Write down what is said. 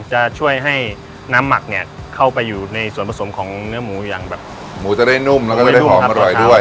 จะช่วยให้น้ำหมักเนี่ยเข้าไปอยู่ในส่วนผสมของเนื้อหมูอย่างแบบหมูจะได้นุ่มแล้วก็ไม่ได้หอมอร่อยด้วย